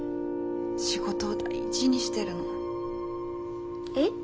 仕事を大事にしてるの。え？